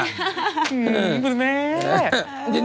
คุณแม่